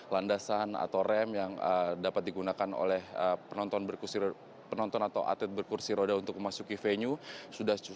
landasan atau rem yang dapat digunakan oleh penonton atau atlet berkursi roda untuk memasuki venue